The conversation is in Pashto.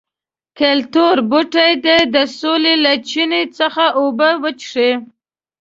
کلتور بوټي دې د سولې له چینې څخه اوبه وڅښي.